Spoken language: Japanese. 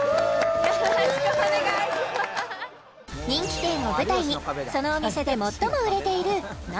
人気店を舞台にそのお店で最も売れているＮｏ．１